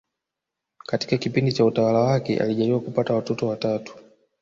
Katika kipindi cha utawala wake alijaliwa kupata watoto watatu